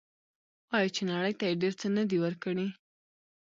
آیا چې نړۍ ته یې ډیر څه نه دي ورکړي؟